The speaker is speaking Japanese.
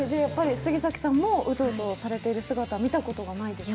杉咲さんもうとうとされてる姿、見たことないですか？